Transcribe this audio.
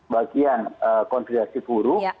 bagian konfidansi buruh